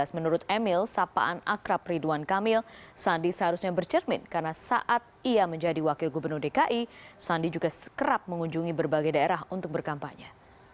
menurut emil sapaan akrab ridwan kamil sandi seharusnya bercermin karena saat ia menjadi wakil gubernur dki sandi juga kerap mengunjungi berbagai daerah untuk berkampanye